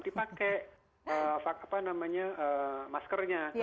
tetap dipakai maskernya